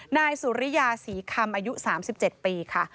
นายสุริยาศรีคำอายุ๓๗ปีค่ะ